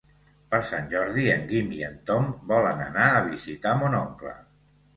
Per Sant Jordi en Guim i en Tom volen anar a visitar mon oncle.